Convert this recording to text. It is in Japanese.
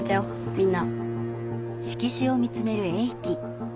みんな。